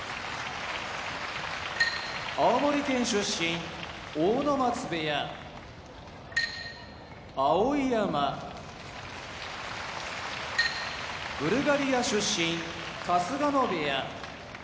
青森県出身阿武松部屋碧山ブルガリア出身春日野部屋